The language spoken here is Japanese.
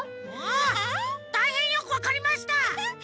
あたいへんよくわかりました。